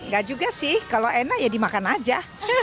gak juga sih kalau enak ya dimakan aja